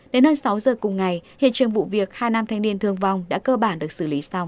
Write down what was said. đến hơn sáu giờ cùng ngày hiện trường vụ việc hai nam thanh niên thương vong đã cơ bản được xử lý xong